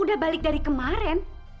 udah balik dari kemarin